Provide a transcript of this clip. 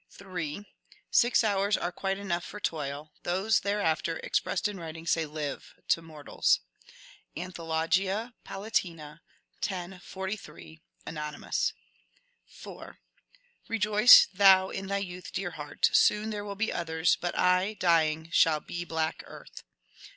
" 8. ^^ Six hours are quite enough for toil : those thereafter, expressed in writing, say LIVE I to mortals." — Anthologia Palatina, x. 43 (anonym.). 4. ^^Bejoice thou in thy youth, dear heart! Soon there will be others ; but I, dying, shall be black earth."